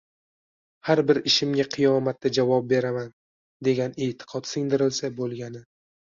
Har bir ishimga qiyomatda javob beraman”, degan eʼtiqod singdirilsa bo‘lgani.